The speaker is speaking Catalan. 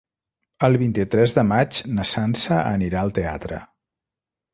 El vint-i-tres de maig na Sança anirà al teatre.